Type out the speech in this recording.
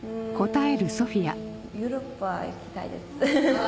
ヨーロッパ行きたいです。